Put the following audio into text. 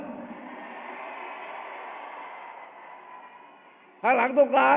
เอาข้างหลังลงซ้าย